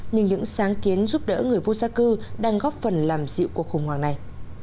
nhưng những sáng kiến giúp đỡ người vô gia cư đang góp phần làm dịu cuộc khủng hoảng này